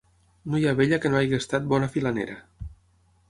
No hi ha vella que no hagi estat bona filanera.